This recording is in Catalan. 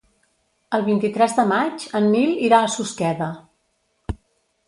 El vint-i-tres de maig en Nil irà a Susqueda.